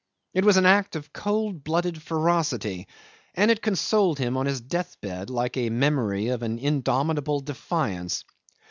It was an act of cold blooded ferocity, and it consoled him on his deathbed like a memory of an indomitable defiance.